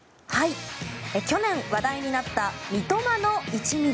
去年、話題になった三笘の１ｍｍ。